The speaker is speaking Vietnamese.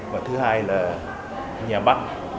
và thứ hai là nhà băng